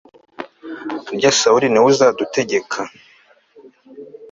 harya sawuli ni we uzadutegeka